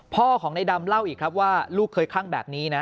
พ่อของในดำเล่าอีกครับว่าลูกเคยคลั่งแบบนี้นะ